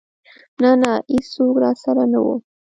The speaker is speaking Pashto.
نه نه ايڅوک راسره نه و.